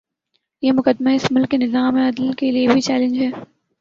یہ مقدمہ اس ملک کے نظام عدل کے لیے بھی چیلنج ہے۔